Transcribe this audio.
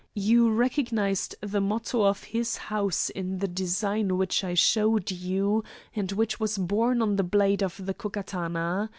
You recognised the motto of his house in the design which I showed you, and which was borne on the blade of the Ko Katana.